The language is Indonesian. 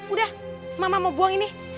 udah mama mau buang ini